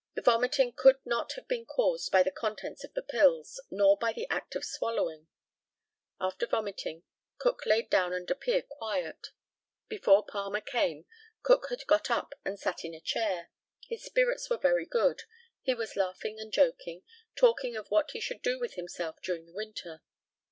The vomiting could not have been caused by the contents of the pills, nor by the act of swallowing. After vomiting, Cook laid down and appeared quiet. Before Palmer came, Cook had got up and sat in a chair. His spirits were very good; he was laughing and joking, talking of what he should do with himself during the winter.